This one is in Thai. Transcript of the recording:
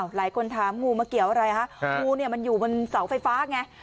หลายคนถามงูมาเกี่ยวอะไรฮะงูเนี่ยมันอยู่บนเสาไฟฟ้าไง